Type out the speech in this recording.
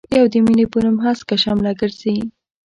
يو د مينې په نوم هسکه شمله ګرزي.